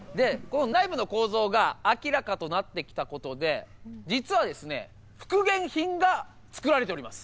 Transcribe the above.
内部の構造が明らかとなってきたことで実はですね復元品が作られております。